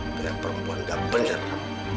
dia perempuan gak penyeram